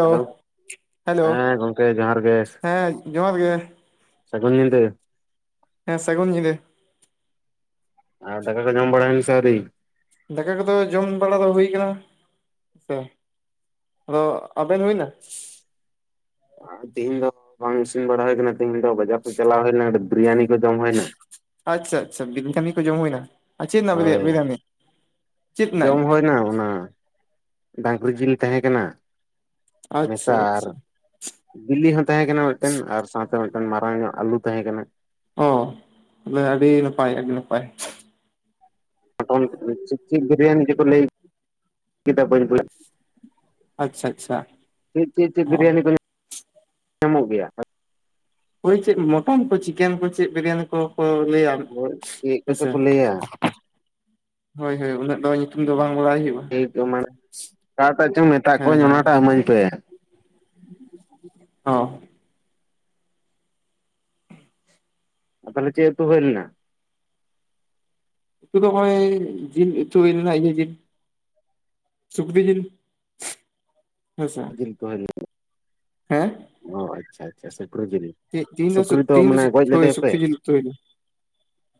Hello hello ᱦᱮᱸ ᱜᱚᱝᱠᱮ ᱡᱚᱦᱟᱨ ᱜᱮ ᱦᱮᱸ ᱡᱚᱦᱟᱨ ᱜᱮ ᱥᱟᱹᱜᱩᱱ ᱧᱤᱫᱟᱹ᱾ ᱦᱮᱸ ᱥᱟᱹᱜᱩᱱ ᱧᱤᱫᱟᱹ᱾ ᱟᱨ ᱫᱟᱠᱟ ᱠᱚ ᱡᱚᱢ ᱵᱟᱲᱟ ᱦᱩᱭᱱᱟ ᱥᱮ ᱟᱣᱨᱤ? ᱫᱟᱠᱟ ᱠᱚᱫᱚ ᱡᱚᱢ ᱵᱟᱲᱟ ᱫᱚ ᱦᱩᱭ ᱠᱟᱱᱟ, ᱦᱮᱸ ᱥᱮ ᱟᱫᱚ ᱟᱵᱮᱱ ᱦᱩᱭᱱᱟ? ᱛᱤᱦᱤᱧ ᱫᱚ ᱵᱟᱝ ᱤᱥᱤᱱ ᱵᱟᱲᱟ ᱦᱩᱭ ᱠᱟᱱᱟ ᱛᱮᱦᱤᱧ ᱫᱚ ᱵᱟᱡᱟᱨ ᱥᱮᱜ ᱪᱟᱞᱟᱣ ᱦᱩᱭᱱᱟ, ᱠᱟᱴᱤᱡ ᱵᱤᱨᱭᱟᱱᱤ ᱠᱚ ᱡᱚᱢ ᱦᱩᱭᱱᱟ᱾ ᱟᱪᱪᱷᱟ ᱟᱪᱪᱷᱟ ᱵᱤᱱ ᱠᱟᱹᱢᱤ ᱠᱚ ᱡᱚᱢ ᱦᱩᱭᱱᱟ? ᱟᱨ ᱪᱮᱫ ᱨᱮᱱᱟᱜ ᱵᱤᱨᱭᱟ ᱦᱳᱭ ᱵᱤᱨᱭᱟᱱᱤ ᱪᱮᱫ ᱨᱮᱱᱟᱜ ᱡᱚᱢ ᱦᱩᱭᱱᱟ ᱚᱱᱟ ᱰᱟᱝᱨᱤ ᱡᱤᱞ ᱛᱟᱦᱮᱸ ᱠᱟᱱᱟ ᱟᱪᱪᱷᱟ ᱢᱮᱥᱟ ᱟᱨ ᱟᱪᱪᱷᱟ ᱵᱤᱞᱤ ᱦᱚᱸ ᱛᱟᱦᱮᱸ ᱠᱟᱱᱟ ᱢᱤᱫᱴᱮᱱ ᱟᱨ ᱥᱟᱶᱛᱮ ᱢᱤᱫᱴᱮᱱ ᱢᱟᱨᱟᱝ ᱧᱚᱜ ᱟᱞᱩ ᱛᱟᱦᱮᱸ ᱠᱟᱱᱟ᱾ ᱚ ᱛᱟᱞᱦᱮ ᱟᱹᱰᱤ ᱱᱟᱯᱟᱭ ᱟᱹᱰᱤ ᱱᱟᱯᱟᱭ᱾ ᱴᱚᱱ ᱪᱮᱫᱼᱪᱮᱫ ᱵᱤᱨᱭᱟᱱᱤ ᱡᱮᱠᱚ ᱞᱟᱹᱭ [inaudible] ᱠᱮᱫᱟ ᱵᱟᱹᱧ ᱵᱩᱡ ᱟᱪᱪᱷᱟ ᱟᱪᱪᱷᱟ ᱪᱮᱜ ᱪᱮᱜ ᱪᱮᱜ ᱚ ᱵᱤᱨᱭᱟᱱᱤ ᱠᱚ [inaudible] ᱧᱟᱢᱚᱜ ᱜᱮᱭᱟ? ᱚᱳᱭ ᱪᱮᱫ ᱢᱚᱴᱚᱱ ᱠᱚ ᱪᱤᱠᱮᱱ ᱠᱚ ᱪᱮᱫ ᱵᱤᱨᱭᱟᱱᱤ ᱠᱚ ᱠᱚ ᱞᱟᱹᱭᱟ᱾ ᱪᱮᱫ ᱠᱚᱪᱚ ᱦᱮᱸᱥᱮ ᱠᱚ ᱞᱟᱹᱭᱟ ᱦᱳᱭ ᱦᱳᱭ ᱩᱱᱟᱹᱜ ᱫᱚ ᱧᱩᱛᱩᱢ ᱫᱚ ᱵᱟᱝ ᱵᱟᱲᱟᱭ ᱦᱩᱭᱩᱜᱼᱟ᱾ ᱴᱷᱤᱠ ᱚᱱᱟ, ᱟᱪᱪᱷᱟ ᱚᱠᱟᱴᱟᱜ ᱪᱚᱝ ᱢᱮᱛᱟᱜ ᱠᱚᱣᱟᱹᱧ ᱚᱱᱟᱴᱟᱜ ᱮᱢᱟᱹᱧ ᱯᱮ ᱚᱜ᱾ ᱟ ᱛᱟᱞᱦᱮ ᱪᱮᱜ ᱩᱛᱩ ᱦᱩᱭᱞᱮᱱᱟ? ᱩᱛᱩ ᱫᱚ ᱠᱚᱭᱼᱚᱭ ᱡᱤᱱ ᱩᱛᱩ ᱦᱩᱭᱞᱮᱱᱟ ᱤᱭᱟᱹ ᱡᱤᱞ᱾ ᱥᱩᱠᱨᱤ ᱡᱤᱞ, ᱦᱮᱸ ᱥᱮ ᱡᱤᱞ ᱠᱚ ᱦᱩᱭ ᱞᱮᱱᱟ [unintelligible] ᱦᱮᱸ? ᱚ ᱟᱪᱪᱷᱟ ᱟᱪᱪᱷᱟ ᱥᱩᱠᱨᱤ ᱡᱤᱞ? ᱛᱮᱜ ᱛᱤᱧ ᱫᱚ ᱥᱩᱜ ᱥᱩᱠᱨᱤ ᱛᱤᱧ ᱫᱚ ᱢᱟᱱᱮ ᱥᱩᱜ ᱜᱚᱡ ᱦᱳᱛ ᱞᱮᱫᱮᱭᱟᱯᱮ ᱥᱩᱠᱨᱤ ᱛᱩ ᱦᱩᱭ ᱠᱟᱱᱟ᱾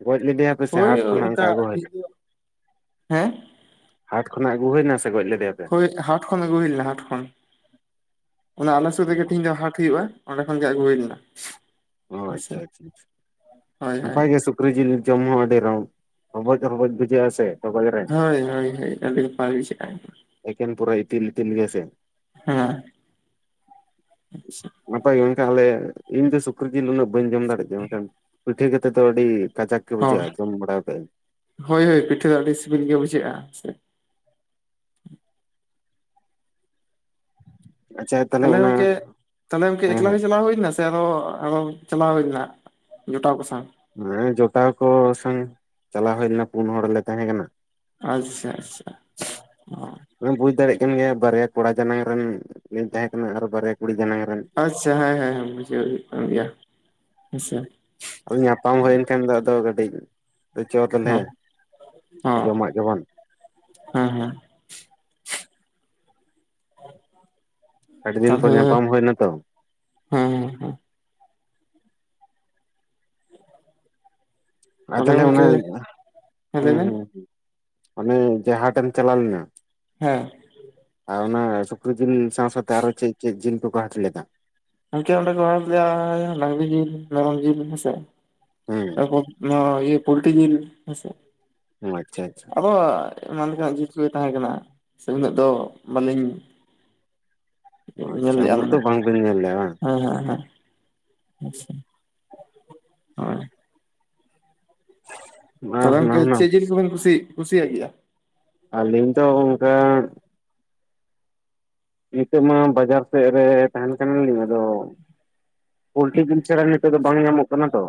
ᱜᱚᱡ ᱞᱮᱫᱮᱭᱟᱯᱮ? ᱥᱮ ᱦᱟᱴ ᱠᱷᱚᱱᱟᱜ ᱚᱝᱠᱟ ᱚᱱᱠᱟ ᱟᱹᱜᱩ ᱦᱩᱭᱱᱟ᱾ ᱛᱤᱦᱤᱧ ᱫᱚ ᱦᱮᱸ ᱦᱟᱴ ᱠᱷᱚᱱᱟᱜ ᱟᱹᱜᱩ ᱦᱩᱭᱱᱟ ᱥᱮ ᱜᱚᱡ ᱞᱮᱫᱮᱭᱟᱯᱮ? ᱠᱟᱹᱡ ᱦᱟᱴ ᱠᱷᱚᱱ ᱟᱹᱜᱩ ᱟᱜᱩ ᱦᱩᱭ ᱞᱮᱱᱟ ᱦᱟᱴ ᱠᱷᱚᱱ᱾ ᱚᱱᱟ ᱟᱞᱮ ᱥᱩᱨ ᱨᱮᱜᱮ ᱛᱤᱦᱤᱧ ᱫᱚ ᱦᱟᱴ ᱦᱩᱭᱩᱜᱼᱟ, ᱚᱸᱰᱮ ᱠᱷᱚᱱᱜᱮ ᱟᱹᱜᱩ ᱦᱩᱭ ᱞᱮᱱᱟ᱾ ᱚ ᱦᱮᱸᱥᱮ ᱟᱪᱪᱷᱟ ᱟᱪᱪᱷᱟ ᱟᱪᱷᱟ ᱦᱳᱭ ᱦᱳᱭ ᱱᱟᱯᱟᱭ ᱜᱮ ᱥᱩᱠ ᱥᱩᱠᱨᱤ ᱡᱤᱞ ᱡᱚᱢ ᱦᱚᱸ ᱟᱹᱰᱤ ᱨᱚᱝ ᱨᱵᱚᱡ ᱨᱵᱚᱡᱽ ᱵᱩᱡᱷᱟᱹᱜᱼᱟ ᱥᱮ ᱛᱚᱜᱚᱡ ᱨᱮ᱾ ᱦᱳᱭ ᱦᱳᱭ ᱦᱳᱭ ᱟᱰᱤᱧ ᱯᱟᱞᱤ ᱥᱮᱜ-ᱟ᱾ ᱮᱠᱮᱱ ᱯᱩᱨᱟᱹ ᱤᱛᱤᱞ ᱤᱛᱤᱞ ᱜᱮ ᱥᱮ? ᱦᱮᱸ᱾ ᱱᱟᱯᱟᱭ ᱜᱮ ᱛᱟᱦᱚᱞᱮ ᱤᱧ ᱫᱚ ᱥᱩᱠ ᱥᱩᱠᱨᱤ ᱡᱤᱞ ᱩᱱᱟᱹᱜ ᱵᱟᱹᱧ ᱡᱚᱢ ᱫᱟᱲᱮᱜᱭᱟᱜ ᱜᱮᱭᱟ ᱢᱮᱱᱠᱷᱟᱱ ᱯᱤᱴᱷᱟᱹ ᱠᱟᱛᱮᱫ ᱫᱚ ᱟᱹᱰᱤ ᱠᱟᱡᱟᱠ ᱜᱮ ᱚ ᱵᱩᱡᱷᱟᱹᱜᱼᱟ ᱡᱚᱢ ᱵᱟᱲᱟᱣ ᱠᱟᱜᱟᱹᱧ᱾ ᱦᱳᱭ ᱦᱳᱭ ᱯᱤᱴᱷᱟᱹ ᱫᱚ ᱟᱹᱰᱤ ᱥᱤᱵᱤᱞ ᱜᱮ ᱵᱩᱡᱷᱟᱹᱜᱼᱟ᱾ ᱟᱪᱪᱷᱟ, ᱛᱟᱦᱚᱞᱮ ᱜᱚᱢᱠᱮ ᱛᱟᱦᱚᱞᱮ ᱜᱚᱢᱠᱮ ᱦᱮᱸ ᱮᱠᱞᱟ ᱜᱮ ᱪᱟᱞᱟᱣ ᱦᱩᱭᱱᱟ? ᱥᱮ ᱟᱨᱦᱟ ᱟᱨᱚ ᱪᱟᱞᱟᱣ ᱦᱩᱭ ᱞᱮᱱᱟ ᱡᱚᱴᱟᱣ ᱠᱚ ᱥᱟᱝ? ᱦᱮᱸ ᱡᱚᱴᱟᱣ ᱠᱚ ᱥᱟᱝ ᱪᱟᱞᱟᱣ ᱦᱩᱭ ᱞᱮᱱᱟ ᱯᱩᱱ ᱦᱚᱲᱞᱮ ᱛᱟᱦᱮᱸ ᱠᱟᱱᱟ᱾ ᱟᱪᱪᱷᱟ ᱟᱪᱪᱷᱟ ᱚ᱾ ᱵᱩᱡ ᱫᱟᱲᱮᱭᱟᱜ ᱠᱟᱱ ᱜᱮᱭᱟ ᱵᱟᱨᱭᱟ ᱠᱚᱲᱟ ᱡᱟᱱᱟᱝ ᱨᱮᱱ ᱞᱤᱧ ᱛᱟᱦᱮᱸ ᱠᱟᱱᱟ ᱟᱨ ᱵᱟᱨᱭᱟ ᱠᱩᱲᱤ ᱡᱟᱱᱟᱝ ᱨᱮᱱ᱾ ᱥᱮ ᱦᱮᱸ ᱦᱮᱸ ᱦᱮᱸ ᱢᱩᱡᱷᱟᱹᱣ ᱦᱩᱭᱩᱜ ᱠᱟᱱ ᱜᱮᱭᱟ ᱦᱮᱸᱥᱮ᱾ ᱟᱫᱚ ᱧᱟᱯᱟᱢ ᱦᱩᱭᱮᱱ ᱠᱷᱟᱱ ᱫᱚ ᱟᱫᱚ ᱠᱟᱹᱴᱤᱡᱪᱚ ᱛᱚᱞᱮ ᱦᱮᱸ ᱦᱮᱸ ᱡᱚᱢᱟᱜ ᱜᱮᱵᱚᱱ᱾ ᱦᱮᱸ ᱦᱮᱸ᱾ ᱥᱟᱴ ᱫᱤᱱ ᱯᱚᱨ ᱛᱟᱦᱚᱞᱮ ᱧᱟᱯᱟᱢ ᱦᱩᱭᱱᱟᱛᱚ᱾ ᱦᱮᱸ ᱦᱮᱸ᱾ ᱟᱨ ᱛᱟᱦᱚᱞᱮ ᱚᱱᱟ ᱦᱮᱸ ᱦᱩᱸ ᱞᱟᱹᱭ ᱵᱮᱱ ᱦᱩᱸ ᱚᱱᱮ ᱡᱟᱦᱟᱴᱮᱢ ᱪᱟᱞᱟᱣ ᱞᱮᱱᱟ, ᱦᱮᱸ᱾ ᱟᱨ ᱚᱱᱟ ᱥᱩᱠᱨᱤ ᱡᱤᱞ ᱥᱟᱶ ᱥᱟᱶᱛᱮ ᱟᱨᱚ ᱪᱮᱫ ᱪᱮᱫ ᱡᱤᱞ ᱠᱚᱠᱚ ᱦᱟᱹᱴ ᱞᱮᱫᱟ? ᱜᱚᱝᱠᱮ ᱚᱸᱰᱮ ᱫᱚ ᱰᱟᱹᱝᱨᱤ ᱡᱤᱞ ᱢᱮᱨᱚᱢ ᱡᱤᱞ ᱦᱮᱸᱥᱮ᱾ ᱦᱮᱸ ᱛᱯᱚᱨ ᱱᱚᱶᱟ ᱤᱭᱟᱹ ᱯᱳᱞᱴᱨᱤ ᱡᱤᱞ ᱦᱮᱸᱥᱮ ᱟᱪᱪᱷᱟ ᱟᱪᱪᱷᱟ ᱟᱵᱚ ᱮᱢᱟᱱ ᱞᱮᱠᱟᱱᱟᱜ ᱡᱤᱱ ᱠᱚᱜᱮ ᱛᱟᱦᱮᱸ ᱠᱟᱱᱟ ᱥᱮ ᱩᱱᱟᱹᱜ ᱫᱚ ᱵᱟᱹᱞᱤᱧ ᱧᱮᱞ ᱟᱪᱪᱷᱟ ᱞᱮᱼᱟ ᱩᱱᱟᱹᱜ ᱫᱚ ᱢᱟᱱᱮ ᱵᱟᱝᱵᱤᱱ ᱧᱮᱞ ᱞᱮᱜᱼᱟ ᱵᱟᱝ ᱦᱮᱸ ᱦᱮᱸ ᱦᱮᱸ ᱟᱪᱪᱷᱟ ᱦᱳᱭ ᱚᱱᱟ ᱦᱟᱱᱟ ᱛᱚᱵᱮᱢᱮᱱᱠᱦᱟ ᱱᱟ ᱪᱮᱫ ᱡᱤᱞ ᱠᱚᱵᱮᱱ ᱠᱩᱥᱤ ᱠᱩᱥᱤᱭᱟᱜ ᱜᱮᱭᱟ ᱟᱹᱞᱤᱧ ᱫᱚ ᱚᱱᱠᱟ ᱱᱤᱛᱚᱜ ᱢᱟ ᱵᱟᱡᱟᱨ ᱥᱮᱫ ᱨᱮ ᱛᱟᱦᱮᱱ ᱠᱟᱱᱟᱞᱤᱧ ᱟᱫᱚ ᱯᱳᱞᱴᱤ ᱡᱤᱞ ᱪᱷᱟᱲᱟ ᱱᱤᱛᱚᱜ ᱫᱚ ᱵᱟᱝ ᱧᱟᱢᱚᱜ ᱠᱟᱱᱟ ᱛᱚ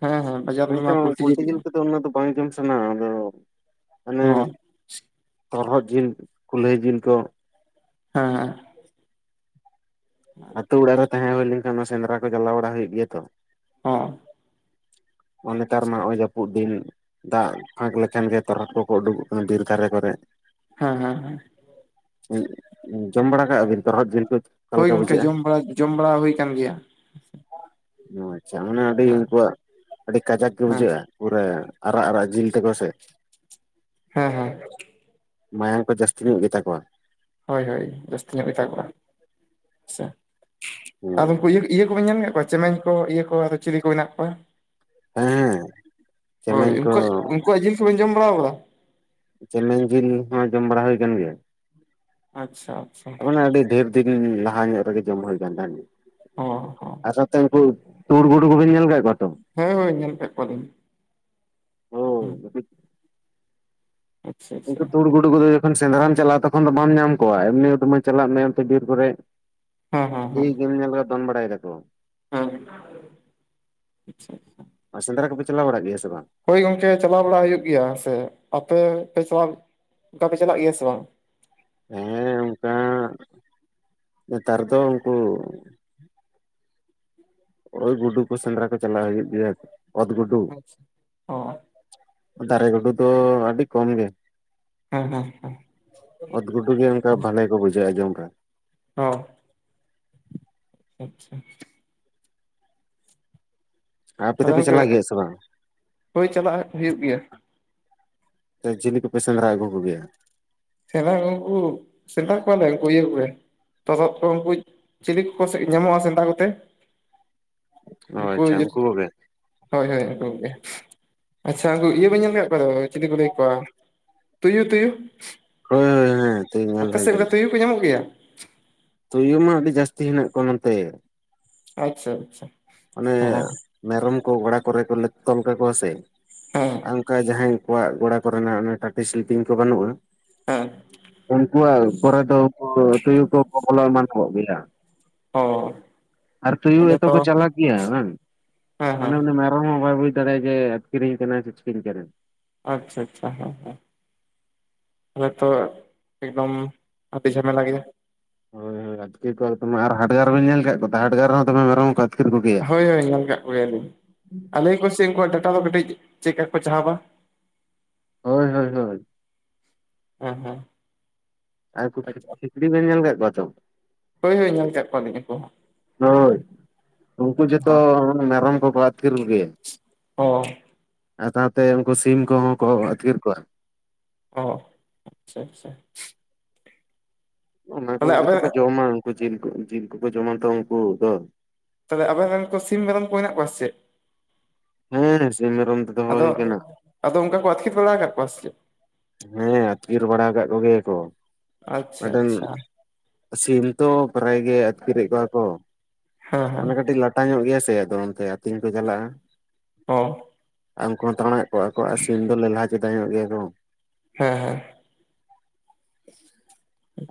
ᱦᱮᱸ ᱦᱮᱸ ᱵᱟᱡᱟᱨ ᱨᱮᱢᱟ ᱢᱮᱱᱠᱷᱟᱱ ᱯᱳᱞᱴᱤ ᱜᱮ ᱡᱤᱞ ᱠᱟᱛᱮᱜ ᱫᱚ ᱵᱟᱝ ᱡᱚᱢ ᱥᱟᱱᱟᱣᱟ ᱟᱫᱚ ᱦᱟᱱᱮ ᱚ ᱛᱚᱨᱚᱦᱩᱫ ᱡᱤᱞ ᱠᱩᱞᱟᱹᱭ ᱡᱤᱞ ᱠᱚ ᱦᱮᱸᱮᱸ ᱟᱛᱳ ᱚᱲᱟᱜ ᱨᱮ ᱛᱟᱦᱮᱸ ᱦᱩᱭ ᱞᱮᱱᱠᱷᱟᱱ ᱚᱱᱟ ᱥᱮᱸᱫᱽᱨᱟ ᱠᱚ ᱪᱟᱞᱟᱣ ᱵᱟᱲᱟ ᱦᱩᱭᱩᱜ ᱜᱮᱭᱟ ᱛᱚ ᱦᱚᱸ ᱟᱨ ᱱᱮᱛᱟᱨ ᱢᱟ ᱱᱚᱜᱼᱚᱭ ᱡᱟᱹᱯᱩᱫ ᱫᱤᱱ ᱫᱟᱜ ᱯᱷᱟᱸᱠ ᱞᱮᱠᱷᱟᱱ ᱜᱮ ᱛᱚᱨᱦᱚᱫ ᱠᱚᱠᱚ ᱩᱰᱩᱠᱚᱜ ᱠᱟᱱᱟ ᱵᱤᱨ ᱫᱷᱟᱨᱮ ᱠᱚᱨᱮ [unintelligible] ᱦᱮᱸ ᱦᱮᱸ ᱦᱮᱸ ᱡᱚᱢ ᱵᱟᱲᱟ ᱠᱟᱜᱼᱟ ᱵᱤᱱ ᱛᱚᱨᱦᱚᱫ ᱡᱤᱞ ᱠᱚ ᱚᱠᱟ ᱦᱳᱭ ᱞᱮᱠᱟ ᱜᱚᱝᱠᱮ ᱵᱩᱡᱷᱟᱹᱜᱼᱟ ᱡᱚᱢᱲᱟ ᱡᱚᱢ ᱵᱟᱲᱟ ᱦᱩᱭ ᱠᱟᱱ ᱜᱮᱭᱟ ᱟᱪᱷᱟ ᱢᱟᱱᱮ ᱦᱮᱸ ᱟᱹᱰᱤ ᱩᱱᱠᱩᱣᱟᱜ ᱟᱹᱰᱤ ᱠᱟᱡᱟᱠ ᱜᱮ ᱦᱮᱸ ᱵᱩᱡᱷᱟᱹᱜᱼᱟ ᱯᱩᱨᱟᱹ ᱟᱨᱟᱜ ᱟᱨᱟᱜ ᱡᱤᱞ ᱛᱮᱠᱚ ᱥᱮ ᱦᱮᱸ ᱦᱮᱸ ᱢᱟᱭᱟᱝ ᱠᱚ ᱡᱟᱹᱥᱛᱤ ᱧᱚᱜ ᱜᱮᱛᱟ ᱠᱚᱣᱟ ᱦᱳᱭ ᱦᱳᱭ ᱡᱟᱹᱥᱛᱤ ᱧᱚᱜ ᱜᱤ ᱛᱟ ᱠᱚᱼᱟ ᱟᱪᱪᱷᱟ ᱟᱫᱚ ᱦᱮᱸ ᱩᱱᱠᱩ ᱤᱭᱟᱹ ᱠᱚᱵᱤᱧ ᱧᱮᱞ ᱠᱮᱫ ᱠᱚᱣᱟ ᱪᱮᱢᱮᱧ ᱠᱚ ᱤᱭᱟᱹ ᱠᱚ ᱟᱫᱚ ᱪᱤᱞᱤ ᱠᱚ ᱢᱮᱱᱟᱜ ᱠᱚᱣᱟ ᱦᱮᱸ ᱦᱳᱭ ᱪᱮᱢᱮᱧ ᱠᱚ ᱩᱱᱠᱩᱣᱟᱜ ᱩᱱᱠᱩᱣᱟᱜ ᱡᱤᱱ ᱠᱚ ᱵᱤᱱ ᱡᱚᱢ ᱵᱟᱲᱟ ᱟᱠᱟᱫᱟ ᱪᱮᱢᱮᱧ ᱡᱤᱞ ᱦᱚᱸ ᱡᱚᱢ ᱵᱟᱲᱟ ᱦᱩᱭ ᱟᱠᱟᱱ ᱜᱮᱭᱟ ᱟᱪᱪᱷᱟ ᱟᱪᱪᱷᱟ ᱩᱱᱮ ᱟᱹᱰᱤ ᱰᱷᱮᱨ ᱫᱤᱱ ᱞᱟᱦᱟ ᱧᱚᱜ ᱨᱮᱜᱮ ᱡᱚᱢ ᱦᱩᱭ ᱟᱠᱟᱱ ᱛᱟᱦᱮᱸᱱ ᱚ ᱟᱨ ᱥᱟᱸᱣᱛᱮ ᱩᱱᱠᱩ ᱛᱩᱲ ᱜᱩᱲᱩ ᱠᱚᱵᱤᱱ ᱧᱮᱞ ᱠᱟᱜ ᱠᱚᱣᱟ ᱛᱚ ᱦᱮᱸ ᱦᱳᱭ ᱧᱮᱞ ᱠᱮᱫ ᱠᱚᱣᱟᱞᱤᱧ᱾ ᱦᱮᱸ ᱦᱳᱭ ᱟᱪᱪᱷᱟ ᱟᱪᱪᱷᱟ ᱩᱱᱠᱩ ᱛᱩᱲ ᱜᱩᱰᱩ ᱠᱚᱫᱚ ᱡᱚᱠᱷᱚᱱ ᱥᱮᱸᱫᱽᱨᱟᱟᱢ ᱪᱟᱞᱟᱜᱼᱟ ᱛᱚᱠᱷᱚᱱ ᱵᱟᱢ ᱧᱟᱢ ᱠᱚᱣᱟᱼᱟ ᱮᱢᱱᱤ ᱫᱚᱢ ᱪᱟᱞᱟᱜ ᱢᱮᱱᱛᱮ ᱵᱤᱨ ᱠᱚᱨᱮ ᱦᱮᱸ ᱦᱮᱸ ᱮ ᱦᱮᱸ ᱜᱮᱢ ᱧᱮᱞ ᱠᱚ ᱫᱚᱱ ᱵᱟᱲᱟᱭ ᱫᱟᱠᱚ [unintelligible] ᱦᱮᱸ ᱟᱪᱪᱷᱟ ᱥᱮᱫᱽᱨᱟ ᱠᱚᱯᱮ ᱪᱟᱞᱟᱣ ᱵᱟᱲᱟ ᱜᱮᱭᱟ ᱥᱮ ᱵᱟᱝ ᱦᱳᱭ ᱜᱚᱝᱠᱮ ᱪᱟᱞᱟᱣ ᱵᱟᱲᱟ ᱦᱩᱭ ᱜᱩᱱᱝᱠᱮ ᱦᱩᱭᱩᱜ ᱜᱮᱭᱟ ᱥᱮ ᱟᱯᱮ ᱯᱮ ᱪᱟᱞᱟᱣ ᱚᱱᱠᱟᱯᱮ ᱪᱟᱞᱟᱜ ᱜᱮᱭᱟ ᱥᱮ ᱵᱟᱝ ᱦᱮᱸ ᱚᱱᱠᱟ ᱱᱮᱛᱟᱨ ᱫᱚ ᱩᱱᱠᱩ ᱚᱛ ᱜᱩᱰᱩ ᱠᱚ ᱥᱮᱸᱫᱽᱨᱟ ᱠᱚ ᱪᱟᱞᱞᱟᱣ ᱦᱩᱭᱩᱜ ᱜᱮᱭᱟ ᱚᱛ ᱜᱩᱰᱩ᱾ ᱟᱪᱪᱷᱟ ᱚ ᱫᱟᱨᱮ ᱜᱩᱰᱩ ᱫᱚ ᱟᱹᱰᱤ ᱠᱚᱢ ᱜᱮ ᱦᱮ ᱦᱮ ᱚᱫ ᱜᱩᱰᱩ ᱜᱮ ᱚᱱᱠᱟ ᱵᱷᱟᱞᱮ ᱠᱚ ᱵᱩᱡᱷᱟᱹᱜᱼᱟ ᱡᱚᱢ ᱨᱮ ᱦᱚ ᱟᱪᱪᱷᱟ ᱟᱯᱮ ᱛᱟᱦᱚᱞᱮ ᱫᱚᱯᱮ ᱜᱚᱝᱠᱮ ᱪᱟᱞᱟᱜ ᱜᱮᱭᱟ ᱥᱮ ᱵᱟᱝ ᱦᱳᱭ ᱪᱟᱞᱟᱜ ᱦᱩᱭᱩᱜ ᱜᱮᱭᱟ᱾ ᱡᱮᱞᱤ ᱠᱚᱯᱮ ᱥᱮᱸᱫᱽᱨᱟ ᱟᱹᱜᱩ ᱠᱚᱜᱮᱭᱟ ᱥᱮᱱᱟᱠᱩ ᱥᱮᱫ ᱠᱚᱣᱟᱞ ᱠᱚ ᱠᱚᱲᱮ ᱛᱚᱛᱚᱫ ᱠᱚ ᱩᱱᱠᱩ ᱪᱤᱞᱤ ᱠᱚ ᱧᱟᱢᱚᱜᱼᱟ ᱥᱮᱱᱫᱨᱟ ᱠᱚᱛᱮ ᱚ ᱩᱱᱠᱩ ᱟᱪᱪᱷᱟ ᱜᱮ ᱠᱚᱜᱮ ᱦᱳᱭ ᱦᱳᱭ ᱩᱱᱠᱩ ᱜᱮ ᱟᱪᱪᱷᱟ ᱩᱱᱠᱩ ᱤᱭᱟᱹ ᱵᱮᱱ ᱧᱮᱞ ᱟᱠᱟᱫ ᱠᱚᱣᱟᱫᱚ ᱪᱮᱫᱤ ᱠᱚ ᱞᱟᱹᱭ ᱠᱚᱣᱟ ᱛᱩᱭᱩ ᱛᱩᱭᱩ ᱦᱳᱭ ᱦᱳᱭ ᱦᱮᱭ ᱟᱯᱮ ᱥᱮᱫ ᱜᱟ ᱛᱩᱭᱩ ᱦᱚᱸ ᱠᱚᱮ ᱧᱟᱢᱚᱜ ᱜᱮᱭᱟ ᱛᱩᱭᱩ ᱢᱟ ᱟᱹᱰᱤ ᱡᱟᱹᱥᱛᱤ ᱦᱮᱱᱟᱜ ᱠᱚᱣᱟ ᱱᱚᱛᱮ ᱟᱪᱪᱷᱟ ᱟᱪᱪᱷᱟ ᱚᱱᱮ ᱦᱮᱸ ᱢᱮᱨᱚᱢ ᱠᱚ ᱜᱚᱲᱟ ᱠᱚᱨᱮ ᱠᱚ ᱛᱚᱞ ᱠᱟᱠᱚᱣᱟ ᱥᱮ ᱦᱮᱸ ᱟᱨ ᱚᱱᱠᱟ ᱡᱟᱦᱟᱸᱭ ᱠᱚᱣᱟᱜ ᱜᱚᱲᱟ ᱠᱚᱨᱮᱱᱟᱜ ᱴᱟᱴᱤ ᱥᱤᱞᱯᱤᱝ ᱠᱚ ᱵᱟᱹᱱᱩᱜᱼᱟ᱾ ᱦᱮᱸ ᱩᱱᱠᱩᱣᱟᱜ ᱠᱚᱨᱮ ᱫᱚ ᱩᱱᱠᱩ ᱛᱩᱭᱩ ᱠᱚ ᱵᱚᱞᱚ ᱮᱢᱟᱱᱚᱜ ᱜᱮᱭᱟ᱾ ᱚ ᱟᱨ ᱛᱩᱭᱩ ᱟᱫᱚ ᱮᱛᱚ ᱛᱚ ᱠᱚ ᱪᱟᱞᱟᱜ ᱦᱮᱸ ᱦᱮᱸ [unintelligible] ᱢᱮᱨᱚᱢ ᱦᱟᱭ ᱵᱟᱭ ᱵᱩᱡ ᱫᱟᱲᱮᱭᱟᱜ-ᱟ ᱟᱠᱤᱨᱤᱧ ᱠᱟᱱᱟᱧ ᱥᱮ ᱟᱪᱪᱷᱟ ᱟᱪᱪᱷᱟ ᱦᱮᱸ ᱦᱮᱸ ᱛᱟᱦᱞᱮ ᱛᱚ ᱮᱠᱫᱚᱢ ᱟᱹᱰᱤ ᱡᱷᱟᱢᱮᱞᱟ ᱜᱮᱭᱟ ᱦᱳᱭ ᱦᱳᱭ ᱟ. ᱛᱠᱤᱨ ᱠᱚ ᱟᱨ ᱦᱟᱴᱜᱟᱨ ᱨᱮ ᱵᱮᱱ ᱧᱮᱞ ᱠᱟᱜ ᱠᱚ ᱦᱟᱴᱜᱟᱨ ᱦᱚᱸ ᱫᱚᱢᱮ ᱢᱮᱨᱚᱢ ᱠᱚ ᱟᱠᱤᱨ ᱠᱚᱜᱮᱭᱟ ᱦᱳᱭ ᱦᱳᱭ ᱧᱮᱞ ᱟᱠᱟᱫ ᱠᱚᱜᱮᱭᱟᱞᱤᱧ ᱟᱞᱤᱧ ᱠᱩᱥᱤ ᱩᱱᱠᱩᱣᱟᱜ ᱰᱟᱴᱟ ᱫᱚ ᱠᱟᱹᱴᱤᱡ ᱪᱮᱫ ᱠᱟ ᱠᱚ ᱪᱟᱦᱟᱵᱟ ᱦᱳᱭ ᱦᱳ ᱦᱳᱭ ᱦᱮᱸ ᱦᱩᱸ ᱟᱨ ᱠᱤᱠᱷᱲᱤ ᱵᱮᱱ ᱧᱮᱞ ᱟᱠᱟᱫ ᱠᱚᱣᱟ ᱛᱚ ᱦᱳᱭ ᱦᱳᱭ ᱧᱮᱞ ᱟᱠᱟᱫ ᱠᱚᱣᱟᱞᱤᱧ ᱩᱱᱠᱩ ᱦᱚᱸ ᱦᱳᱭ ᱩᱱᱠᱩ ᱡᱚᱛᱚ ᱚ ᱢᱮᱨᱚᱢ ᱠᱚ ᱠᱚ ᱟᱹᱛ [unintelligible] ᱚ ᱟᱨ ᱥᱟᱶᱛᱮ ᱩᱱᱠᱩ ᱥᱤᱢ ᱠᱚᱦᱚᱸ ᱠᱚ ᱟᱹᱛᱠᱤᱨ ᱠᱚᱣᱟ ᱚ ᱟᱪᱪᱷᱟ ᱟᱪᱪᱷᱟ ᱚᱱᱟ ᱛᱟᱦᱚᱞᱮ ᱠᱚᱜᱮᱛᱚ ᱟᱵᱮᱱ ᱠᱚ ᱡᱚᱢᱟ ᱩᱱᱠᱩ ᱡᱤᱞ ᱡᱤᱞ ᱠᱚᱠᱚ ᱡᱚᱢᱟ ᱛᱚ ᱩᱱᱠᱩ ᱫᱚ ᱛᱟᱦᱚᱞᱮ ᱟᱵᱮᱱ ᱨᱮᱱ ᱠᱚ ᱥᱤᱢ ᱢᱮᱨᱚᱢ ᱠᱚ ᱢᱮᱱᱟᱜ ᱠᱚᱣᱟ ᱪᱮᱫ? ᱦᱮᱸ ᱥᱤᱢ ᱢᱮᱨᱚᱢ ᱛᱮ ᱫᱚᱦᱚ ᱟᱫᱚ ᱦᱩᱭ ᱟᱠᱟᱱᱟ᱾ ᱟᱫᱚ ᱚᱱᱠᱟ ᱠᱚ ᱟᱫᱠᱮᱨ ᱵᱟᱲᱟ ᱟᱠᱟᱫ ᱠᱚᱣᱟ ᱥᱮᱪᱮᱫ ᱦᱮᱸ ᱟᱹᱛᱠᱤᱨ ᱵᱟᱲᱟ ᱠᱟᱜ ᱠᱚ ᱜᱮᱭᱟ ᱠᱚ ᱟᱪᱪᱷᱟ ᱢᱤᱜᱴᱮᱱ ᱟᱪᱪᱷᱟ ᱥᱤᱢ ᱛᱚ ᱯᱨᱟᱭ ᱜᱮ ᱟᱹᱛᱠᱤᱨᱮᱜ ᱠᱚᱣᱟ ᱠᱚ ᱦᱮᱸ ᱦᱮᱸ ᱢᱟᱱᱮ ᱠᱟᱹᱴᱤᱡ ᱞᱟᱴᱟ ᱧᱚᱜ ᱜᱮᱭᱟ ᱥᱮ ᱟᱫᱚ ᱚᱱᱛᱮ ᱛᱤᱧ ᱠᱚ ᱪᱟᱞᱟᱜᱼᱟ᱾ ᱚ ᱟ ᱩᱝᱠᱩ ᱦᱚᱸ ᱛᱟᱬᱟᱜ ᱠᱚᱜᱼᱟ ᱠᱚ ᱟ ᱥᱤᱢ ᱫᱚ ᱞᱮᱞᱦᱟ ᱪᱚᱫᱟ ᱧᱚᱜ ᱜᱮᱭᱟ ᱠᱚ ᱦᱮᱸ ᱦᱮᱸ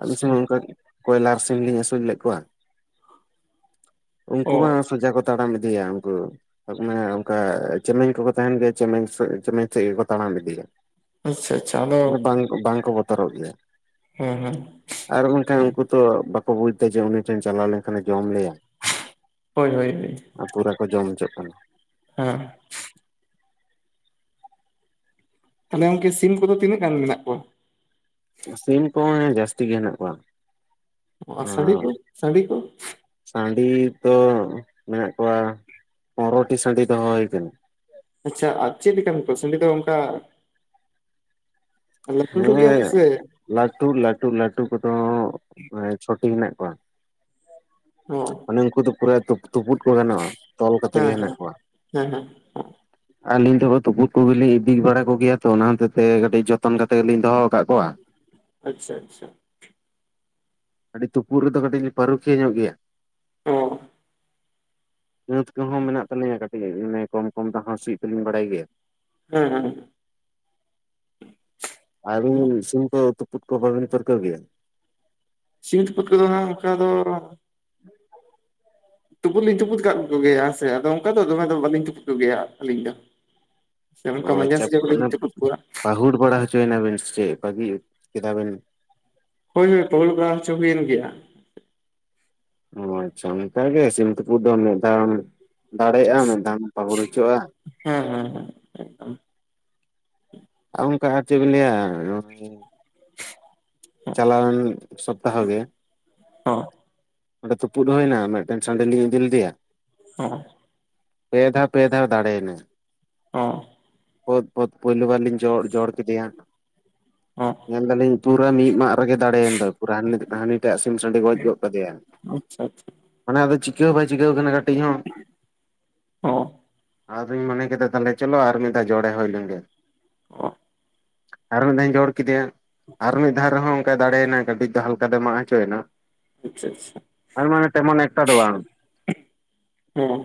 ᱟᱞᱮ ᱥᱮᱜ ᱢᱟ ᱚᱝᱠᱟ ᱵᱚᱭᱞᱟᱨ ᱥᱤᱢ ᱞᱤᱧ ᱟᱹᱥᱩᱞ ᱞᱮᱜ ᱠᱚᱣᱟ᱾ ᱚ ᱩᱝᱠᱩ ᱢᱟ ᱥᱳᱡᱟ ᱠᱚ ᱛᱟᱲᱟᱢ ᱤᱫᱤᱭᱟ ᱩᱝᱠᱩ ᱥᱟᱜ ᱢᱮ ᱚᱱᱠᱟ ᱪᱮᱢᱮᱧ ᱠᱚᱠᱚ ᱛᱟᱦᱮᱱ ᱜᱮᱭᱟ ᱪᱮᱢᱮᱧ ᱥᱮ ᱪᱮᱢᱮᱧ ᱥᱮᱜ ᱜᱮᱠᱚ ᱛᱟᱲᱟᱢ ᱤᱫᱤᱭᱟ᱾ ᱟᱪᱪᱷᱟ ᱟᱪᱪᱷᱟ ᱟᱫᱚ ᱚᱱᱮ ᱵᱟᱝ ᱵᱟᱝᱠᱚ ᱵᱚᱛᱚᱨᱚᱜ ᱜᱮᱭᱟ᱾ ᱦᱮᱸ ᱦᱮᱸ ᱟᱨ ᱵᱟᱝᱠᱷᱟᱱ ᱩᱝᱠᱩ ᱛᱚ ᱵᱟᱠᱚ ᱵᱩᱡ ᱫᱟ ᱡᱮ ᱩᱱᱤ ᱴᱷᱮᱱ ᱪᱟᱞᱟᱣ ᱞᱮᱱᱠᱷᱟᱱ ᱮ ᱡᱚᱢ ᱞᱮᱭᱟ᱾ ᱦᱳᱭ ᱦᱳᱭ ᱟᱨ ᱯᱩᱨᱟᱹ ᱠᱚ ᱡᱚᱢ ᱪᱚᱜ ᱠᱟᱱᱟ᱾ ᱦᱮᱸ ᱛᱟᱞᱦᱮ ᱜᱚᱝᱠᱮ ᱥᱤᱢ ᱠᱚᱫᱚ ᱛᱤᱱᱟᱹᱜ ᱜᱟᱱ ᱢᱮᱱᱟᱜ ᱠᱚᱣᱟ? ᱥᱤᱢ ᱠᱚᱦᱚᱸ ᱦᱮᱸ ᱡᱟᱹᱥᱛᱤ ᱜᱮ ᱦᱮᱱᱟᱜ ᱠᱚᱣᱟ᱾ ᱟ ᱥᱟᱺᱰᱤ ᱟᱨ ᱠᱩ ᱥᱟᱺᱰᱤ ᱠᱩ ᱥᱟᱺᱰᱤ ᱛᱚ ᱢᱮᱱᱟᱜ ᱠᱚᱣᱟ ᱯᱚᱱᱨᱚᱴᱤ ᱥᱟᱺᱰᱤ ᱫᱚᱦᱚ ᱦᱩᱭ ᱟᱠᱟᱱᱟ᱾ ᱟᱪᱷᱟ ᱟ ᱪᱮᱫ ᱠᱟᱹᱢᱤ ᱠᱚ ᱥᱟᱺᱰᱤ ᱫᱚ ᱚᱝᱠᱟ ᱞᱟᱹᱴᱩ ᱜᱮᱭᱟ ᱠᱚ ᱦᱮᱸ ᱥᱮ ᱞᱟᱹᱴᱩ ᱞᱟᱹᱴᱩ ᱞᱟᱹᱴᱩ ᱠᱚᱫᱚ ᱮᱸ ᱪᱷᱚᱴᱤ ᱦᱮᱱᱟᱜ ᱠᱚᱣᱟ᱾ ᱚ ᱢᱟᱱᱮ ᱩᱱᱠᱩ ᱫᱚ ᱯᱩᱨᱟᱹ ᱛᱩᱯ ᱛᱩᱯᱩᱫ ᱠᱚ ᱜᱟᱱᱚᱜᱼᱟ᱾ ᱛᱚᱞ ᱠᱟᱛᱮ ᱜᱮ ᱦᱮᱸ ᱦᱮᱱᱟᱜ ᱦᱮᱸ ᱠᱚᱣᱟ᱾ ᱦᱮᱸ ᱦᱮᱸ ᱟᱹᱞᱤᱧ ᱫᱚ ᱛᱩᱯᱩᱫ ᱠᱚᱜᱮᱞᱤᱧ ᱤᱫᱤ ᱵᱟᱲᱟ ᱠᱚᱜᱮᱭᱟ ᱛᱚ ᱚᱱᱟ ᱦᱚᱛᱮ ᱛᱮ ᱠᱟᱹᱴᱤᱡ ᱡᱚᱛ ᱡᱚᱛᱚᱱ ᱠᱟᱛᱮ ᱜᱮ ᱞᱤᱧ ᱫᱚᱦᱚ ᱟᱠᱟᱜ ᱠᱚᱣᱟ᱾ ᱟᱪᱷᱟ ᱟᱪᱷᱟ ᱟᱹᱰᱤ ᱛᱩᱯᱩᱜ ᱨᱮ ᱫᱚ ᱠᱟᱹᱴᱤᱡ ᱯᱟᱹᱨᱩᱠᱷᱤᱭᱟᱹ ᱧᱚᱜ ᱜᱮᱭᱟ᱾ ᱚ ᱵᱟᱹᱫᱽ ᱠᱚ ᱦᱚᱸ ᱢᱮᱱᱟᱜ ᱛᱟᱞᱮᱭᱟ ᱠᱟᱹᱴᱤᱡ ᱢᱟᱱᱮ ᱠᱚᱢ ᱠᱚᱢ ᱛᱮ ᱥᱤ ᱫᱚ ᱞᱤᱧ ᱵᱟᱰᱟᱭ ᱜᱮᱭᱟ᱾ ᱦᱮᱸ ᱦᱮᱸ ᱟᱹᱵᱤᱱ ᱥᱤᱢ ᱠᱚ ᱛᱩᱯᱩᱫ ᱠᱚ ᱵᱟᱹᱵᱤᱱ ᱯᱟᱹᱨᱠᱟᱹᱣ ᱜᱮᱭᱟ? ᱥᱤᱢ ᱛᱩᱯᱩᱫ ᱠᱚ ᱫᱚ ᱦᱟᱸᱜ ᱚᱝᱠᱟ ᱫᱚᱻ [inaudible] ᱛᱩᱯᱩᱫ ᱞᱤᱧ ᱛᱩᱯᱩᱫ ᱠᱟᱜ ᱠᱚ ᱜᱮᱭᱟ ᱦᱮᱸ ᱥᱮ ᱟᱫᱚ ᱚᱝᱠᱟ ᱫᱚᱢᱮ ᱫᱚ ᱵᱟᱹᱞᱤᱧ ᱛᱩᱯᱩᱜ ᱠᱚ ᱜᱮᱭᱟ ᱟᱹᱞᱤᱧ ᱫᱚ᱾ ᱚᱻ ᱚᱱᱠᱟ ᱢᱟᱸᱡᱟᱱ ᱟᱪᱷᱟ ᱥᱮᱡ ᱦᱚᱞᱤᱧ ᱚᱱᱟ ᱛᱩᱯᱩᱫ ᱠᱚᱣᱟ ᱯᱟᱹᱦᱩᱲ ᱵᱟᱲᱟ ᱦᱚᱪᱚ ᱮᱱᱟ ᱵᱤᱱ ᱥᱮ ᱵᱟᱹᱜᱤ ᱠᱮᱫᱟ ᱵᱤᱱ ᱦᱚᱭ ᱦᱚᱭ ᱯᱟᱹᱦᱩᱲ ᱵᱟᱲᱟ ᱦᱚᱪᱚ ᱦᱩᱭ ᱮᱱ ᱜᱮᱭᱟ᱾ ᱚᱻ ᱟᱪᱷᱟ ᱚᱝᱠᱟ ᱜᱮ ᱥᱤᱢ ᱛᱩᱯᱩᱜ ᱫᱚ ᱢᱤᱜ ᱫᱷᱟᱣ ᱮᱢ ᱫᱟᱲᱮᱜᱼᱟ ᱢᱤᱫ ᱫᱷᱟᱣᱮᱢ ᱯᱟᱹᱦᱩᱲ ᱚᱪᱚᱜᱼᱟ᱾ ᱦᱮᱸ ᱦᱮᱸ ᱦᱮᱸ ᱮᱠᱫᱚᱢ᱾ ᱚᱝᱠᱟ ᱟᱨ ᱪᱮᱫ ᱞᱤᱧ ᱞᱟᱹᱭᱟ [inaudible] ᱪᱟᱞᱟᱣ ᱮᱱ ᱥᱚᱯᱛᱟᱦ ᱜᱮ ᱦᱚᱸ ᱚᱸᱰᱮ ᱛᱩᱯᱩᱫ ᱢᱟ ᱦᱮᱱᱟᱜᱼᱟ ᱢᱤᱫᱴᱮᱱ ᱥᱟᱺᱰᱤ ᱞᱤᱧ ᱤᱫᱤ ᱞᱮᱫᱮᱭᱟ᱾ ᱦᱚᱸ ᱯᱮ ᱫᱷᱟᱣ ᱯᱮ ᱫᱷᱟᱣ ᱫᱟᱲᱮ ᱮᱱᱟᱭ᱾ ᱯᱳᱫ ᱯᱳᱫ ᱯᱳᱭᱞᱩ ᱵᱟᱨ ᱞᱤᱧ ᱡᱚ ᱡᱚᱲ ᱠᱮᱫᱮᱭᱟ᱾ ᱦᱚᱸ ᱧᱮᱞ ᱫᱟᱞᱟ ᱞᱤᱧ ᱯᱩᱨᱟᱹ ᱢᱤᱜ ᱢᱟᱜ ᱨᱮ ᱜᱮ ᱫᱟᱲᱮ ᱮᱱ ᱫᱚᱭ ᱯᱩᱨᱟᱹ ᱦᱟᱹᱱᱤ ᱴᱟᱜ ᱥᱤᱢ ᱥᱟᱺᱰᱤ ᱜᱚᱡ ᱜᱚᱫ ᱠᱟᱫᱮᱭᱟᱭ ᱪᱷᱟ ᱪᱷᱟ ᱢᱟᱱᱮ ᱟᱫᱚ ᱪᱤᱠᱟᱹ ᱦᱚᱸ ᱵᱟᱭ ᱪᱤᱠᱟᱹᱣ ᱟᱠᱟᱱᱟ ᱠᱟᱹᱴᱤᱡ ᱦᱚᱸ᱾ ᱦᱚᱸ ᱟᱨᱦᱚᱧ ᱢᱚᱱᱮ ᱠᱮᱫᱟ ᱛᱟᱞᱦᱮ ᱪᱚᱞᱚ ᱟᱨ ᱢᱤᱫ ᱫᱷᱟᱣ ᱡᱚᱲᱮ ᱦᱩᱭ ᱞᱮᱱ ᱜᱮ ᱦᱚᱸ ᱟᱨ ᱢᱤᱜ ᱫᱷᱟᱣ ᱤᱧ ᱡᱚᱲ ᱠᱮᱫᱮᱭᱟ ᱟᱨ ᱢᱤᱫ ᱫᱷᱟᱣ ᱨᱮ ᱦᱚᱸ ᱚᱝᱠᱟᱭ ᱫᱟᱲᱮ ᱮᱱᱟ ᱠᱟᱹᱴᱤᱡ ᱫᱚ ᱦᱟᱞᱠᱟ ᱫᱚᱭ ᱢᱟᱲᱟᱝ ᱚᱪᱚ ᱮᱱᱟ ᱟᱪᱷᱟ ᱟᱪᱷᱟ ᱛᱮᱢᱟᱱᱮ ᱛᱮᱢᱟᱱᱮ ᱮᱥᱴᱟᱰᱚᱜᱼᱟ ᱦᱩᱸ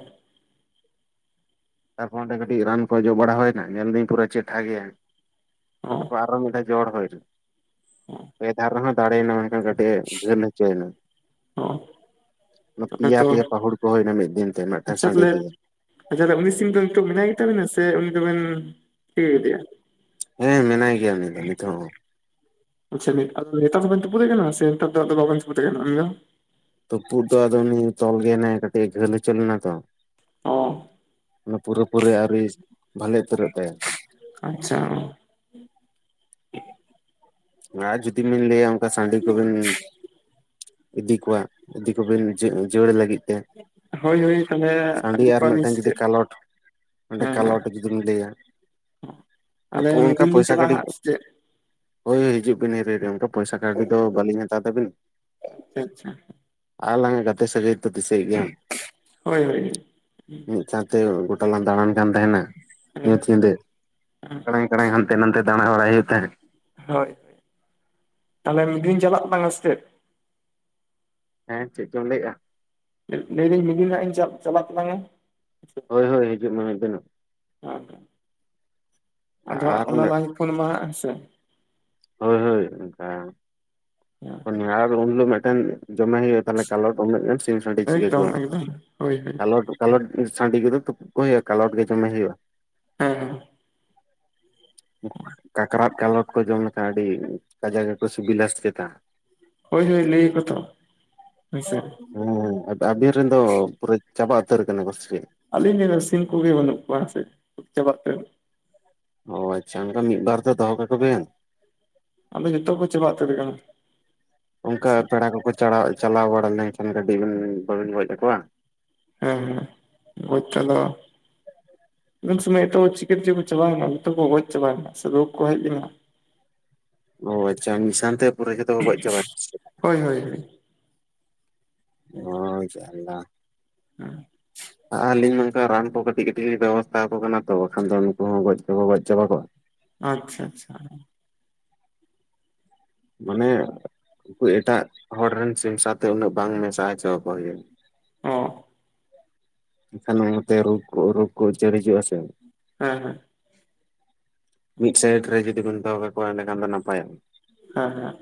ᱛᱟᱨᱯᱚᱨ ᱚᱸᱰᱮ ᱠᱟᱹᱴᱤᱡ ᱨᱟᱱ ᱠᱚ ᱡᱚᱢ ᱵᱟᱲᱟ ᱦᱩᱭᱱᱟ ᱧᱮᱞ ᱮᱫᱟᱹᱧ ᱯᱩᱨᱟᱹ ᱪᱮᱴᱷᱟ ᱜᱮᱭᱟ ᱦᱚᱸ ᱛᱟᱯᱚᱨᱮ ᱟᱨᱦᱚᱸ ᱢᱤᱫᱴᱮᱡ ᱡᱚᱲ ᱦᱩᱭ ᱮᱱᱟ ᱦᱚᱸ ᱯᱮ ᱫᱷᱟᱣ ᱨᱮ ᱦᱚᱸ ᱫᱟᱲᱮ ᱮᱱᱟ ᱢᱮᱱᱠᱷᱟᱱ ᱠᱟᱹᱴᱤᱡ ᱡᱷᱟᱹᱞ ᱦᱚᱪᱚ ᱮᱱᱟ ᱦᱚᱸ ᱛᱚᱵᱮ ᱯᱮᱭᱟ ᱛᱚ ᱯᱮᱭᱟ ᱯᱟᱹᱦᱩᱲ ᱠᱚ ᱦᱩᱭ ᱮᱱᱟ ᱢᱤᱫ ᱫᱤᱱ ᱛᱮ ᱢᱤᱫᱴᱟᱹᱝ ᱟᱪᱪᱷᱟ ᱥᱟᱺᱰᱤ ᱛᱟᱦᱚᱞᱮ ᱛᱮ ᱜᱮ ᱟᱪᱪᱷᱟ ᱩᱱᱤ ᱥᱤᱢ ᱫᱚ ᱱᱤᱛᱚᱜ ᱢᱮᱱᱟᱭ ᱜᱮ ᱛᱟᱵᱤᱱᱟ ᱥᱮ ᱩᱱᱤ ᱫᱚ ᱵᱤᱱ ᱤᱭᱟᱹ ᱠᱮᱫᱮᱭᱟ ᱦᱮᱸ ᱢᱮᱱᱟᱭ ᱜᱮᱭᱟ ᱩᱱᱤ ᱫᱚ ᱱᱤᱛᱚᱜ ᱦᱚᱸ ᱟᱪᱪᱷᱟ ᱱᱮᱛᱟᱨ ᱫᱚ ᱵᱮᱱ ᱛᱩᱯᱩᱫ ᱮ ᱠᱟᱱᱟ ᱥᱮ ᱱᱮᱛᱟᱨ ᱫᱚ ᱟᱫᱚ ᱵᱟᱹᱵᱮᱱ ᱛᱩᱯᱩᱫ ᱮ ᱠᱟᱱᱟ ᱩᱱᱤ ᱫᱚ ᱛᱩᱯᱩᱫ ᱫᱚ ᱟᱫᱚ ᱩᱱᱤ ᱛᱚᱞ ᱜᱮ ᱦᱮᱱᱟᱭᱟ ᱠᱟᱹᱴᱤᱡ ᱜᱷᱟᱹᱞ ᱦᱚᱪᱚ ᱞᱮᱱᱟ ᱛᱚ ᱚᱻ ᱚᱱᱟ ᱯᱩᱨᱟᱹ ᱯᱩᱨᱤ ᱟᱹᱣᱨᱤ ᱵᱷᱟᱞᱮ ᱩᱛᱟᱹᱨᱚᱜ ᱛᱟᱭᱟ ᱟᱪᱪᱷᱟ ᱟᱨ ᱡᱩᱫᱤ ᱵᱤᱱ ᱞᱟᱹᱭᱟ ᱚᱱᱠᱟ ᱥᱟᱺᱰᱤ ᱠᱚ ᱵᱤᱱ ᱤᱫᱤ ᱠᱚᱣᱟ ᱤᱫᱤ ᱠᱚ ᱵᱮᱱ ᱡᱚᱲ ᱞᱟᱹᱜᱤᱫ ᱛᱮ ᱦᱚᱭ ᱦᱩᱭ ᱟᱠᱟᱱ ᱜᱮᱭᱟ ᱟᱹᱜᱩ ᱥᱟᱺᱰᱤ ᱟᱨ ᱠᱚᱣᱟ ᱞᱤᱧ ᱥᱮ ᱢᱤᱫᱴᱟᱝ ᱡᱩᱫᱤ ᱪᱮᱫ ᱠᱟᱞᱚᱴ ᱦᱮᱸ ᱢᱤᱫᱴᱮᱱ ᱮᱱᱠᱷᱟᱱ ᱠᱟᱞᱚᱴ ᱡᱩᱫᱤᱢ ᱞᱟᱹᱭᱟ ᱟᱹᱞᱤᱧᱟᱜ ᱧᱩᱛᱩᱢ ᱫᱚ ᱪᱟᱞᱟᱜᱼᱟ ᱥᱮ ᱪᱮᱫ ᱦᱚᱭ ᱦᱤᱡᱩᱜ ᱵᱤᱱ ᱚᱱᱠᱟ ᱯᱚᱭᱥᱟ ᱠᱟᱹᱣᱰᱤ ᱫᱚ ᱵᱟᱹᱞᱤᱧ ᱦᱟᱛᱟᱣ ᱛᱟᱹᱵᱤᱱ ᱟᱪᱪᱷᱟ ᱟᱪᱪᱷᱟ [unintelligible] ᱟᱞᱟᱝᱼᱟ ᱜᱟᱛᱮ ᱥᱟᱹᱜᱟᱹᱭ ᱫᱚ ᱫᱤᱥᱟᱹᱭ ᱵᱮᱱ ᱦᱳᱭ ᱦᱳᱭ [unintelligible] ᱛᱮ ᱜᱚᱴᱟ ᱞᱟᱝ ᱫᱟᱬᱟᱱ ᱠᱟᱱ ᱛᱟᱦᱮᱱᱟ ᱧᱩᱛ ᱦᱮᱸ ᱧᱤᱫᱟᱹ ᱠᱟᱲᱟᱝ ᱠᱟᱲᱟᱝ ᱦᱟᱱᱛᱮ ᱱᱟᱱᱛᱮ ᱫᱟᱲᱟ ᱵᱟᱲᱟᱭ ᱦᱩᱭᱩᱜ ᱛᱟᱦᱮᱸᱜ ᱦᱚᱭ ᱛᱟᱦᱚᱞᱮ ᱢᱤᱫ ᱫᱤᱱ ᱪᱟᱞᱟᱜ ᱛᱟᱞᱟᱝᱼᱟ ᱥᱮ ᱪᱮᱫ ᱦᱮᱸ ᱪᱮᱫ ᱪᱚᱢ ᱞᱟᱹᱭᱮᱜᱼᱟ ᱞᱟᱹᱭ ᱮᱫᱟᱹᱧ ᱢᱮᱫ ᱫᱤᱱ ᱦᱟᱸᱜ ᱤᱧ ᱪᱟᱜ ᱪᱟᱞᱟᱜ ᱛᱟᱞᱟᱝᱼᱟ ᱦᱚᱭ ᱦᱚᱭ ᱦᱤᱡᱩᱜ ᱢᱮ ᱢᱮᱫ ᱫᱤᱱ ᱱᱚᱜ ᱦᱮᱸ ᱦᱮᱸ ᱟᱫᱚ ᱦᱟᱸᱜ ᱟᱨ ᱚᱱᱟ ᱞᱟᱦᱟᱧ ᱯᱷᱳᱱ ᱟᱢᱟ ᱦᱟᱸᱜ ᱦᱮᱸ ᱥᱮ ᱦᱳᱭ ᱦᱳᱭ ᱚᱱᱠᱟ [unintelligible] ᱢᱤᱫᱴᱮᱱ ᱡᱚᱢᱮᱱ ᱦᱩᱭᱩᱜᱼᱟ ᱮᱠᱫᱚᱢ ᱮᱠᱫᱚᱢ ᱦᱳᱭ ᱦᱳᱭ [unintelligible] ᱠᱟᱞᱚᱴ ᱥᱟᱺᱰᱤ ᱠᱚᱫᱚ ᱛᱩᱯᱩᱫ ᱠᱚ ᱦᱩᱭᱩᱜᱼᱟ ᱠᱟᱞᱚᱴ ᱜᱮ ᱡᱚᱢᱮ ᱦᱩᱭᱩᱜᱼᱟ ᱦᱮᱸ ᱦᱮᱸ ᱠᱟᱠᱨᱟᱛ ᱠᱟᱞᱚᱴ ᱠᱚ ᱡᱚᱢᱮ ᱟᱰᱤ ᱛᱟᱢᱟ ᱜᱮ ᱠᱚ ᱥᱤᱵᱤᱞᱟ ᱥᱮ ᱪᱮᱛᱟ ᱦᱳᱭ ᱦᱳᱭ ᱞᱟᱹᱭᱟᱠᱚ ᱛᱚ ᱦᱳᱭᱥᱮ ᱦᱮᱸ ᱟᱵᱤᱱ ᱨᱮᱱ ᱫᱚ ᱯᱩᱨᱟᱹ ᱪᱟᱵᱟ ᱩᱛᱟᱹᱨ ᱟᱠᱟᱱᱟ ᱥᱮᱪᱮᱫ ᱟᱹᱞᱤᱧ ᱱᱤᱭᱟᱹ ᱫᱚ ᱥᱤᱢ ᱠᱚᱜᱮ ᱵᱟᱹᱱᱩᱜ ᱠᱚᱣᱟ ᱥᱮ ᱜᱚᱡ ᱪᱟᱵᱟᱜ ᱠᱟᱱᱟ ᱚ ᱟᱪᱪᱷᱟ ᱚᱱᱠᱟ ᱢᱤᱫ ᱵᱟᱨ ᱫᱚ ᱫᱚᱦᱚ ᱠᱟᱠᱚᱵᱮᱱ᱾ ᱟᱫᱚ ᱡᱚᱛᱚ ᱠᱚ ᱪᱟᱵᱟ ᱩᱛᱟᱹᱨ ᱟᱠᱟᱱᱟ ᱚᱱᱠᱟ ᱯᱮᱲᱟ ᱠᱚᱠᱚ ᱪᱟᱞᱟᱣ ᱪᱟᱞᱟᱣ ᱵᱟᱲᱟ ᱞᱮᱱᱠᱷᱟᱱ ᱜᱟᱹᱰᱤ ᱵᱤᱱ ᱵᱟᱵᱤᱱ ᱜᱚᱡ ᱟᱠᱚᱣᱟ᱾ ᱦᱮᱸ ᱦᱮᱸ ᱜᱚᱡ ᱛᱮᱫᱚ ᱩᱱ ᱥᱚᱢᱚᱭ ᱛᱚ ᱪᱤᱠᱮ ᱛᱮᱪᱚ ᱠᱚ ᱪᱟᱵᱟᱭᱮᱱᱟ ᱡᱚᱛᱚ ᱠᱚ ᱜᱚᱡ ᱪᱟᱵᱟᱭᱮᱱᱟ ᱥᱮ ᱨᱳᱜᱽ ᱠᱚ ᱦᱮᱡ ᱞᱮᱱᱟ ᱚ ᱟᱪᱪᱷᱟ ᱢᱤᱫ ᱥᱟᱶᱟᱱᱛᱮ ᱯᱩᱨᱟᱹ ᱡᱚᱛᱚ ᱠᱚ ᱜᱚᱡ ᱪᱟᱵᱟᱭ ᱦᱳᱭ ᱦᱳᱭ ᱦᱳᱭ ᱚ ᱡᱟᱞᱟ ᱦᱮᱸ [unintelligible] ᱟᱹᱞᱤᱧ ᱱᱚᱝᱠᱟ ᱨᱟᱱ ᱠᱚ ᱠᱟᱹᱴᱤᱡ ᱠᱟᱹᱴᱤᱡ ᱞᱤᱧ ᱵᱮᱵᱚᱥᱛᱟ ᱟᱠᱚ ᱠᱟᱱᱟ ᱛᱚ ᱵᱟᱠᱷᱟᱱ ᱫᱚ ᱩᱱᱠᱩ ᱦᱚᱸ ᱜᱚᱡ ᱪᱟᱵᱟ ᱜᱚᱡ ᱪᱟᱵᱟ ᱠᱚᱜᱼᱟ᱾ ᱟᱪᱪᱷᱟ ᱟᱪᱪᱷᱟ ᱢᱟᱱᱮ ᱩᱱᱠᱩ ᱮᱴᱟᱜ ᱦᱚᱲ ᱨᱮᱱ ᱥᱤᱢ ᱥᱟᱶᱟᱛᱮ ᱩᱱᱟᱹᱜ ᱵᱟᱝ ᱢᱮᱥᱟ ᱦᱚᱪᱚ ᱟᱠᱚ ᱦᱩᱭᱩᱜᱼᱟ᱾ ᱚ ᱮᱱᱠᱷᱟᱱ ᱚᱱᱟᱛᱮ ᱨᱳᱜᱽ ᱨᱳᱜᱽ ᱠᱚ ᱩᱪᱟᱹᱲ ᱦᱤᱡᱩᱜᱼᱟ ᱥᱮ᱾ ᱦᱮᱸ ᱦᱮᱸ ᱢᱤᱫ ᱥᱟᱭᱤᱰ ᱨᱮ ᱡᱩᱫᱤ ᱵᱚᱱ ᱫᱚᱦᱚ ᱠᱟᱠᱚᱣᱟ ᱮᱸᱰᱮ ᱠᱷᱟᱱ ᱫᱚ ᱱᱟᱯᱟᱭᱚᱜ ᱦᱟᱸ ᱦᱟᱸ